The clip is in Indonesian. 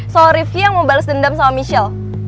soal rifki yang mau bales dendam sama michelle